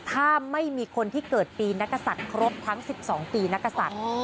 ถ้าไม่มีคนที่เกิดปีนักศัตริย์ครบทั้ง๑๒ปีนักศัตริย์